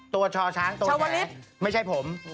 ตัวแชร์ไม่ใช่